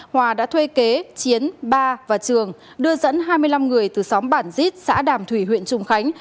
hòa đã thuê kế chiến ba và trường đưa dẫn hai mươi năm người từ xóm bản dít xã đàm thủy huyện trùng khánh